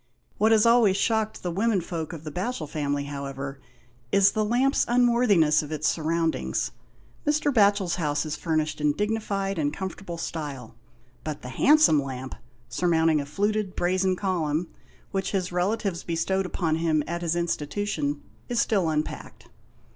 What has always shocked the womenfolk of the Batchel family, however, is the lamp's unworthiness of its surroundings. Mr. Batohel's house is furnished in dignified and comfortable style, but the handsome lamp, surmounting a fluted brazen column, which his relatives bestowed upon him at his institution, is still unpacked.